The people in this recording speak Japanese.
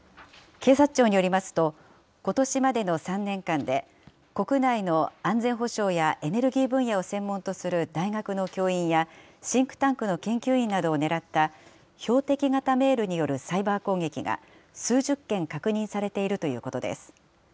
警察庁によりますと、ことしまでの３年間で、国内の安全保障やエネルギー分野を専門とする大学の教員や、シンクタンクの研究員などを狙った、標的型メールによるサイバー攻撃が、数十件確認されているということです。